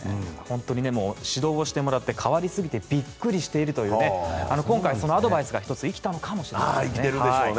指導をしてもらって変わりすぎてびっくりしているという今回、そのアドバイスが１つ生きたのかもしれないですね。